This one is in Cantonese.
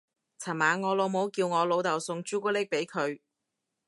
尋晚我老母叫我老竇送朱古力俾佢